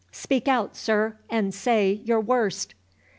—Speak out, sir, and say your worst!"